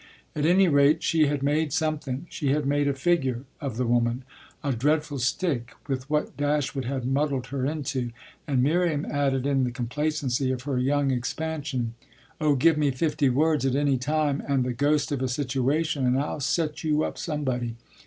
At any rate she had made something, she had made a figure, of the woman a dreadful stick, with what Dashwood had muddled her into; and Miriam added in the complacency of her young expansion: "Oh give me fifty words any time and the ghost of a situation, and I'll set you up somebody.